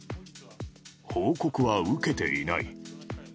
報告は受けていない。